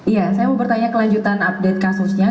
iya saya mau bertanya kelanjutan update kasusnya